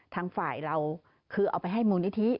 ทางฝ่ายเราคือเอาไปให้มูลนิธิ